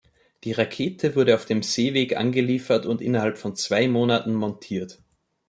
Die Rakete wurde auf dem Seeweg angeliefert und innerhalb von zwei Monaten montiert.